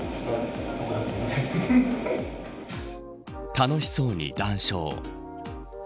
楽しそうに談笑。